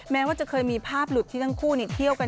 แม้ว่าจะเคยมีภาพหลุดที่ทั้งคู่เที่ยวกัน